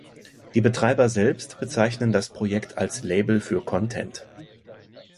Die Betreiber selbst bezeichnen das Projekt als „Label für Content“.